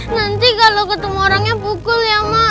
nanti kalo ketemu orangnya pukul ya